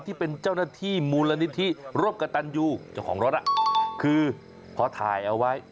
ที่เป็นเจ้าหน้าที่มูลนิธิร่วมกับตันยูเจ้าของรถคือพอถ่ายเอาไว้